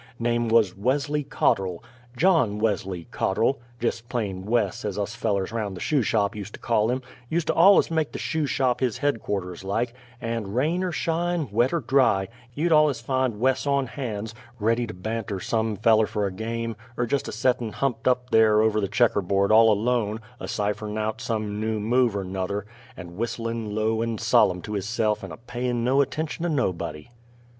Name wuz Wesley Cotterl John Wesley Cotterl jest plain Wes, as us fellers round the Shoe Shop ust to call him; ust to allus make the Shoe Shop his headquarters like; and, rain er shine, wet er dry, you'd allus find Wes on hands, ready to banter some feller fer a game, er jest a settin' humped up there over the checker board all alone, a cipher'n' out some new move er 'nuther, and whistlin' low and solem' to hisse'f like and a payin' no attention to nobody.